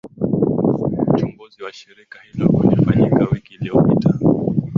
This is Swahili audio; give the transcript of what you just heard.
uchunguzi wa shirika hilo ulifanyika wiki iliyopita